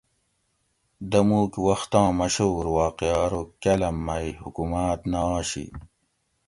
دموک وختاں مشھور واقعہ ارو کالام میٔ حکوماۤت نہ آشی